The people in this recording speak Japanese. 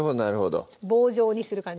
棒状にする感じ